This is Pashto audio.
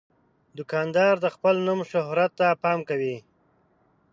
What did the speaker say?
دوکاندار د خپل نوم شهرت ته پام کوي.